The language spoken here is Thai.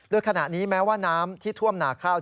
โดยขณะนี้แม้ว่าน้ำที่ท่วมหนาข้าว